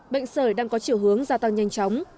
bệnh sởi đang có chiều hướng gia tăng nhanh chóng